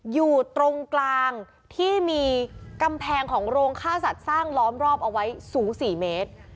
อยู่ตรงกลางที่มีกำแพงของโรงฆ่าสัตว์สร้างล้อมรอบเอาไว้สูง๔เมตร